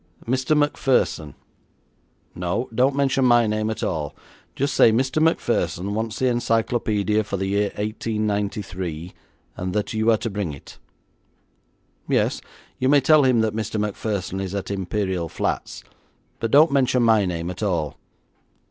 Mr. Macpherson. No, don't mention my name at all. Just say Mr. Macpherson wants the encyclopaedia for the year 1893, and that you are to bring it. Yes, you may tell him that Mr. Macpherson is at Imperial Flats, but don't mention my name at all.